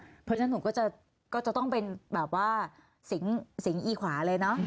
เพราะฉะนั้นหนูก็จะต้องเป็นแบบว่าสิงอีขวาเลยเนอะ